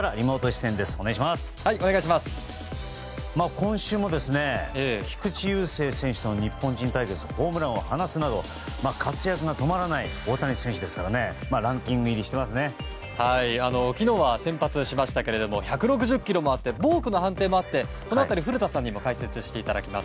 今週も菊池雄星選手との日本人対決でホームランを放つなど活躍が止まらない大谷選手ですから昨日は先発しましたが１６０キロもあってボークの判定もあってこのあと古田さんにも解説していただきます。